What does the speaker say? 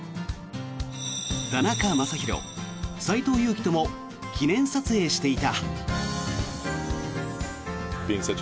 田中将大、斎藤佑樹とも記念撮影していた。